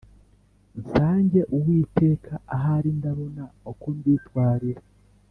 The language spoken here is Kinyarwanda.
nsange Uwiteka ahari ndabona uko mbitwarira